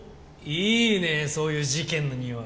いいねえそういう事件のにおい。